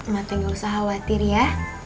ma teh gak usah khawatir ya